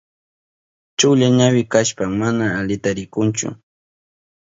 Chulla ñawi kashpan mana alita rikunchu.